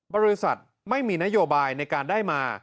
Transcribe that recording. บริษัทไม่มีนโยบายในการได้มา